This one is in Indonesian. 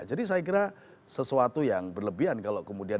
jadi saya kira sesuatu yang berlebihan kalau kemudian